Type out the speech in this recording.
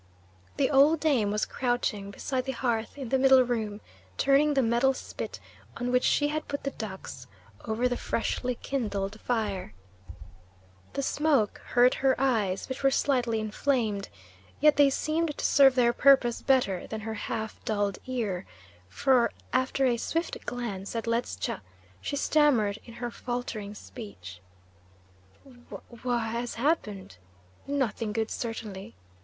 The old dame was crouching beside the hearth in the middle room, turning the metal spit, on which she had put the ducks, over the freshly kindled fire. The smoke hurt her eyes, which were slightly inflamed, yet they seemed to serve their purpose better than her half dulled ear, for, after a swift glance at Ledscha, she stammered in her faltering speech: "What has happened? Nothing good, certainly.